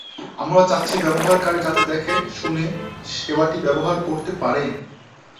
আমরা চাচ্ছি ব্যবহারকারী যাতে দেখে, শুনে, বুঝে সেবাটি ব্যবহার করতে পারেন।